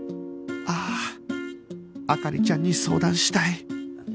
ああ灯ちゃんに相談したい